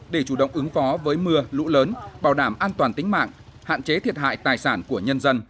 để chủ động ứng phó với mưa lũ lớn bảo đảm an toàn tính mạng hạn chế thiệt hại tài sản của nhân dân